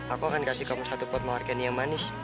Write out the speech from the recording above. aku akan kasih kamu satu pot mawarkan yang manis